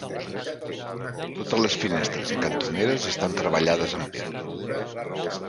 Totes les finestres i cantoneres estan treballades amb pedra.